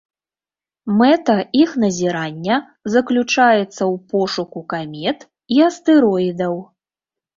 Мэта іх назірання заключаецца ў пошуку камет і астэроідаў.